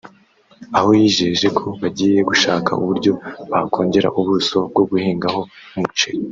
aho yijeje ko bagiye gushaka uburyo bakongera ubuso bwo guhingaho umuceri